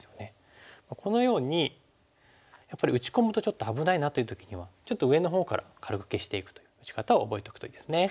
このようにやっぱり打ち込むとちょっと危ないなっていう時にはちょっと上のほうから軽く消していくという打ち方を覚えておくといいですね。